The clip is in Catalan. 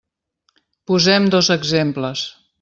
Posem dos exemples.